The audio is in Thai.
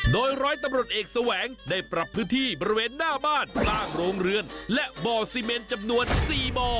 โดยร้อยตำรวจเอกแสวงได้ปรับพื้นที่บริเวณหน้าบ้านสร้างโรงเรือนและบ่อซีเมนจำนวน๔บ่อ